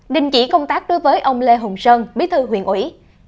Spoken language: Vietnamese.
đình chỉ công tác đối với ông lê hồng sơn biết thư huyện ủy